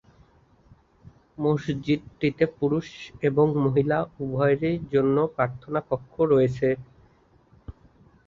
মসজিদটিতে পুরুষ এবং মহিলা উভয়ের জন্য প্রার্থনা কক্ষ রয়েছে।